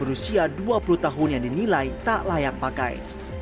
berusia dua puluh tahun yang dinilai tak layak pakai